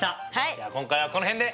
じゃあ今回はこの辺で！